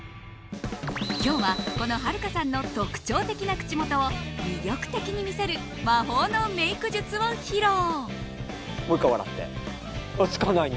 今日は、このはるかさんの特徴的な口元を魅力的に見せる魔法のメイク術を披露。